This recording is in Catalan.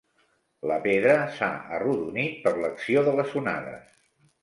La pedra s'ha arrodonit per l'acció de les onades.